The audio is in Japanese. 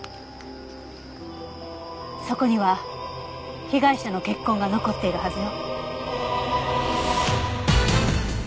そこには被害者の血痕が残っているはずよ。